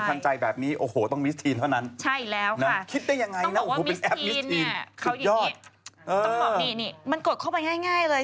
ต้องบอกนี่มันกดเข้าไปง่ายเลย